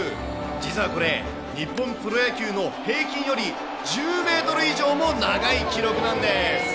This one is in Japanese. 実はこれ、日本プロ野球の平均より１０メートル以上も長い記録なんです。